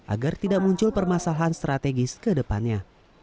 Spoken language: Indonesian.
agar tidak muncul permasalahan strategis ke depannya